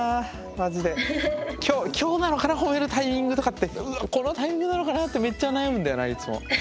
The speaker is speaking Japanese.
今日なのかな褒めるタイミングとかってこのタイミングなのかなってめっちゃ悩むんだよないつも。